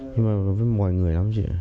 nhưng mà với mọi người lắm chị ạ